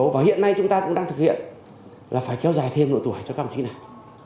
và hiện nay chúng ta cũng đang thực hiện là phải kéo dài thêm độ tuổi cho cao trí này